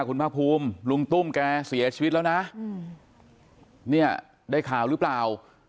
คุณภาคภูมิลุงตุ้มแกเสียชีวิตแล้วนะเนี่ยได้ข่าวหรือเปล่า